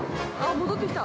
戻ってきた。